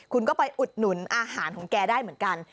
คุณก็ไปอุดหนุนอาหารของแกได้เหมือนกัน